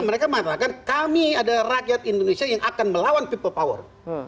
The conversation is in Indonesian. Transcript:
mereka mengatakan kami adalah rakyat indonesia yang akan melawan people power